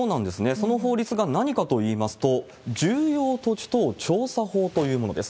その法律が何かといいますと、重要土地等調査法というものです。